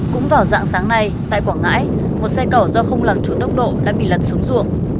cũng vào dạng sáng nay tại quảng ngãi một xe cỏ do không làm chủ tốc độ đã bị lật xuống ruộng